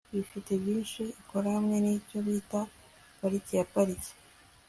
ifite byinshi ikora hamwe nicyo bita parike ya parike